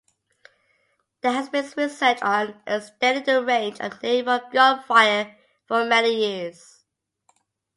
There has been research on extending the range of naval gunfire for many years.